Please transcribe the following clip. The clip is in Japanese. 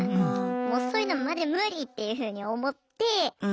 もうそういうのマジ無理っていうふうに思って。